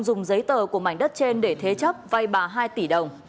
dùng giấy tờ của mảnh đất trên để thế chấp vay bà hai tỷ đồng